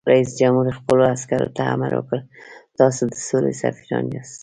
رئیس جمهور خپلو عسکرو ته امر وکړ؛ تاسو د سولې سفیران یاست!